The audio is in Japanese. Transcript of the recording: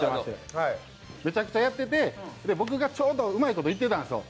めちゃくちゃやってて僕がちょうどうまいこといってたんですよ。